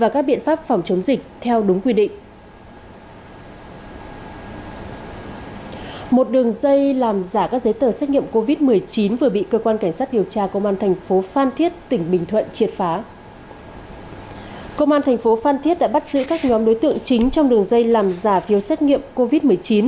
công an thành phố phan thiết đã bắt giữ các nhóm đối tượng chính trong đường dây làm giả phiếu xét nghiệm covid một mươi chín